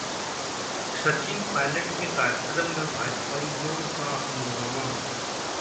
सचिन पायलट के कार्यक्रम में भाजपाईयों का हंगामा